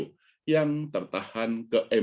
dan artinya investasi portfolio